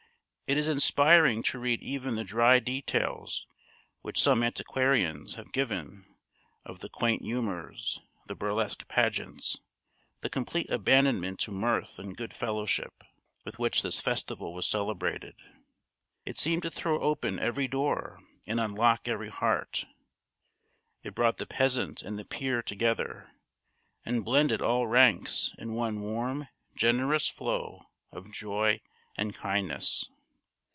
It is inspiring to read even the dry details which some antiquarians have given of the quaint humours, the burlesque pageants, the complete abandonment to mirth and good fellowship, with which this festival was celebrated. It seemed to throw open every door, and unlock every heart. It brought the peasant and the peer together, and blended all ranks in one warm generous flow of joy and kindness.